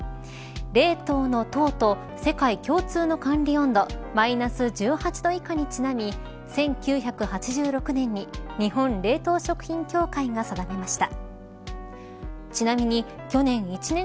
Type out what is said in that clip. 冷凍のトウと世界共通の管理温度マイナス１８度以下にちなみ１９８６年に日本冷凍食品協会が定めました。